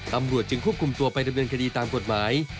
ตำรวจจึงควบคุมตัวไปดำเนินคดีตามกฎหมาย